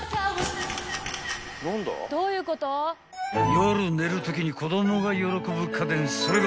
［夜寝るときに子供が喜ぶ家電それが］